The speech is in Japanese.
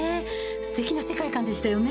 素敵な世界観でしたよね？